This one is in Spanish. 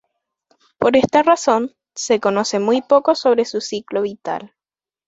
Por esta razón, se conoce muy poco sobre su ciclo vital.